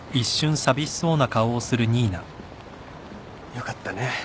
よかったね。